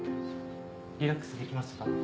・リラックスできましたか？